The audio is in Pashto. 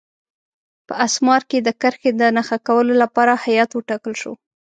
په اسمار کې د کرښې د نښه کولو لپاره هیات وټاکل شو.